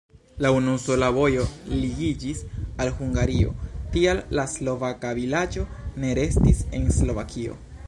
La unusola vojo ligiĝis al Hungario, tial la slovaka vilaĝo ne restis en Slovakio.